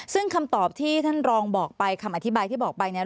ซึ่งคำตอบที่ท่านรองบอกไปคำอธิบายที่บอกไปเนี่ย